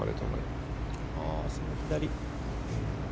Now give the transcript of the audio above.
その左。